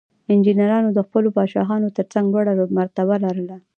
انجینرانو د خپلو پادشاهانو ترڅنګ لوړه مرتبه لرله.